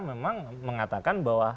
memang mengatakan bahwa